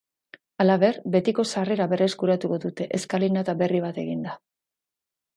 Halaber, betiko sarrera berreskuratuko dute eskalinata berri bat eginda.